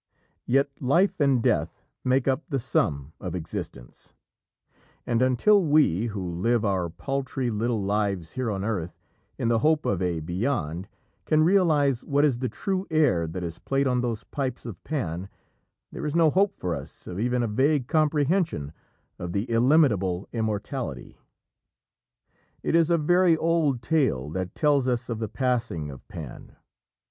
Yet Life and Death make up the sum of existence, and until we, who live our paltry little lives here on earth in the hope of a Beyond, can realise what is the true air that is played on those pipes of Pan, there is no hope for us of even a vague comprehension of the illimitable Immortality. It is a very old tale that tells us of the passing of Pan.